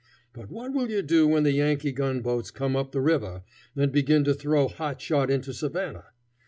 But what will you do when the Yankee gun boats come up the river and begin to throw hot shot into Savannah?